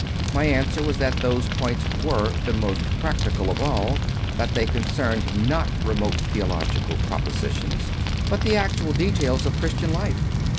My answer was that those points were the most practical of all, that they concerned not remote theological propositions, but the actual details of Christian life.